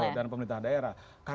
betul dan pemerintah daerah